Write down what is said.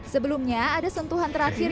sebelumnya ada sentuhan terakhir